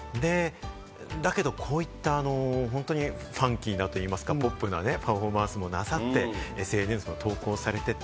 だけどこういったファンキーなといいますか、ポップなパフォーマンスもなさって、ＳＮＳも投稿されて。